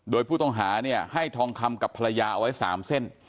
โดยผู้ต้องหาเนี่ยให้ทองคำกับภรรยาเอาไว้๓เส้น